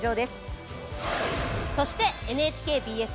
そしてＮＨＫＢＳ